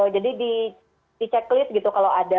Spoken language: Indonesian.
jadi dicek list gitu kalau ada